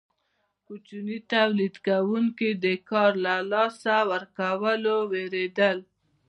کوچني تولید کوونکي د کار له لاسه ورکولو ویریدل.